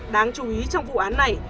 đáng chú ý trong vụ án này